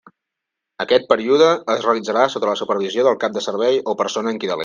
Aquest període es realitzarà sota la supervisió del Cap de Servei o persona en qui delegui.